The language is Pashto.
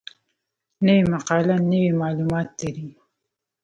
نوې مقاله نوي معلومات لري